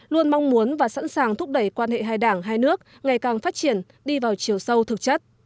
luôn mong muốn và sẵn sàng thúc đẩy quan hệ hai đảng hai nước ngày càng phát triển đi vào chiều sâu thực chất